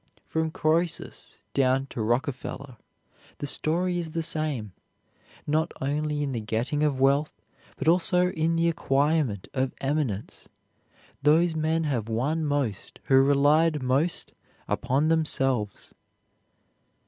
From Croesus down to Rockefeller the story is the same, not only in the getting of wealth, but also in the acquirement of eminence; those men have won most who relied most upon themselves.